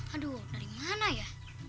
aduh dari mana ya